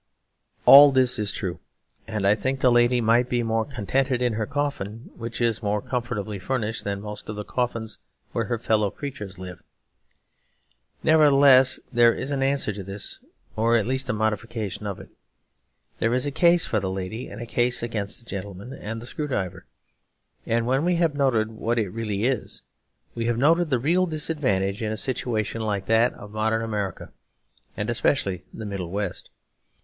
All this is true, and I think the lady might be more contented in her coffin, which is more comfortably furnished than most of the coffins where her fellow creatures live. Nevertheless, there is an answer to this, or at least a modification of it. There is a case for the lady and a case against the gentleman and the screw driver. And when we have noted what it really is, we have noted the real disadvantage in a situation like that of modern America, and especially the Middle West.